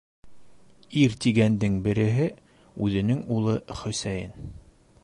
Ир тигәндең береһе - үҙенең улы Хөсәйен.